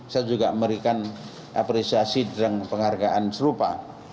saya juga memberikan apresiasi dan penghargaan serupa